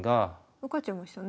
受かっちゃいましたね。